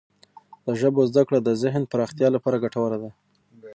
د ژبو زده کړه د ذهن پراختیا لپاره ګټوره ده.